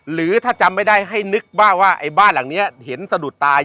หรือถ้าจำไม่ได้ให้นึกบ้างว่าไอ้บ้านหลังนี้เห็นสะดุดตาย